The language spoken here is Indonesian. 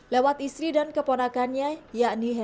lewat istri dan keponakannya yakni hendrati dan nur silawati